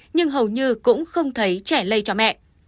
nhưng hầu như cũng không thấy trẻ lây cho mẹ